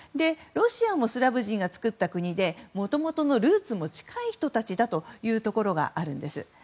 ロシアもスラブ人が作った国でもともとのルーツも近い人たちというところがあります。